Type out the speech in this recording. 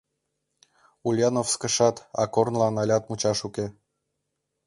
Ульяновскшат, а корнылан алят мучаш уке.